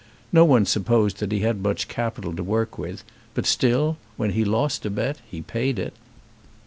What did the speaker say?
No one supposed that he had much capital to work with; but still, when he lost a bet he paid it.